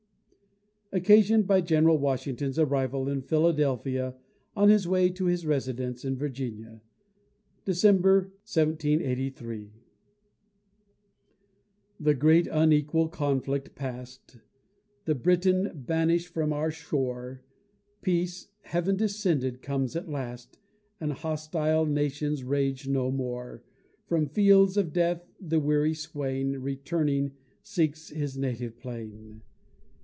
OCCASIONED BY GENERAL WASHINGTON'S ARRIVAL IN PHILADELPHIA, ON HIS WAY TO HIS RESIDENCE IN VIRGINIA [December, 1783] The great unequal conflict past, The Briton banished from our shore, Peace, heaven descended, comes at last, And hostile nations rage no more; From fields of death the weary swain Returning, seeks his native plain.